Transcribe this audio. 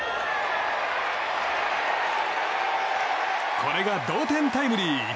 これが同点タイムリー。